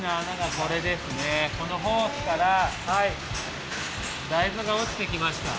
このホースからはい大豆がおちてきました。